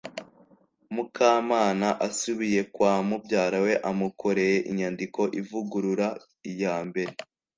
mukamana asubiye kwa mubyarawe amukoreye inyandiko ivugurura iya mbere;